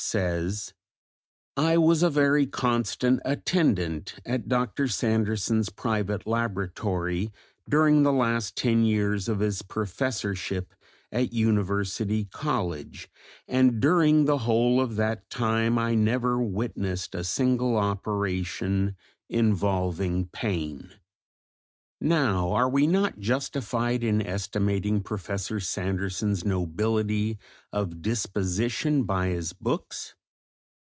says: "I was a very constant attendant at Dr. Sanderson's private laboratory during the last ten years of his professorship at University College, and during the whole of that time I never witnessed a single operation involving pain." Now, are we not justified in estimating Professor Sanderson's nobility of disposition by his books?